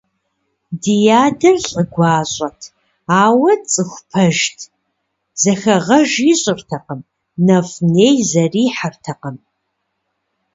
Ди адэр лӏы гуащӏэт, ауэ цӏыху пэжт, зэхэгъэж ищӏыртэкъым, нэфӏ-ней зэрихьэртэкъым.